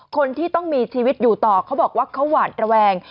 คนที่ต้องมีชีวิตอยู่ต่อเขาบอกว่าเขาหวาดระแวง